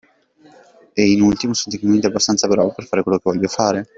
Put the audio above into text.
E in ultimo: sono tecnicamente abbastanza bravo per fare quello che voglio fare?